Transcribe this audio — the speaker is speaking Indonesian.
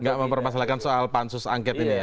nggak mempermasalahkan soal pansus angket ini ya